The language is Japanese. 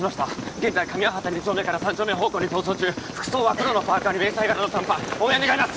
現在上八幡２丁目から３丁目方向に逃走中服装は黒のパーカーに迷彩柄の短パン応援願います！